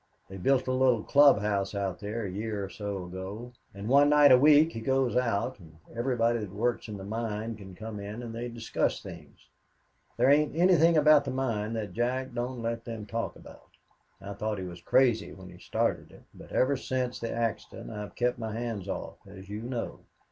He built a little clubhouse out there a year or so ago, and one night a week he goes out, and everybody that works in the mine can come in and they discuss things. There ain't anything about the mine that Jack don't let them talk about. I thought he was crazy when he started it, but ever since the accident I've kept my hands off, as you know.